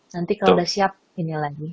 nanti kalau udah siap ini lagi